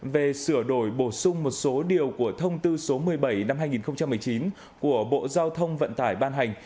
về sửa đổi bổ sung một số điều của thông tư số một mươi bảy năm hai nghìn một mươi chín của bộ giao thông vận tải ban hành